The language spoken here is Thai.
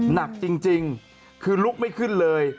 หนักจริงคือลุกไม่ขึ้นเลย